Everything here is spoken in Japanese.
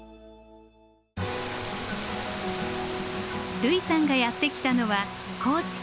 類さんがやって来たのは高知県